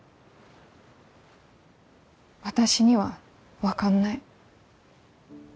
私には分かんない。